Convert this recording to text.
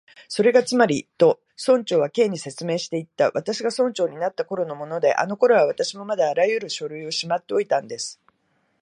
「それがつまり」と、村長は Ｋ に説明していった「私が村長になったころのもので、あのころは私もまだあらゆる書類をしまっておいたんです」